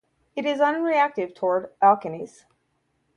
It is unreactive toward alkenes.